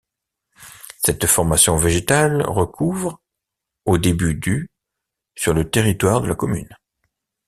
Cette formation végétale recouvre au début du sur le territoire de la commune.